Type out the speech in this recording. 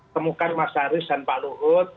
temukan mas haris dan pak luhut